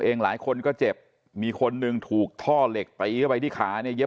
เองหลายคนก็เจ็บมีคนนึงถูกท่อเหล็กไปใช้ไปที่ขานี่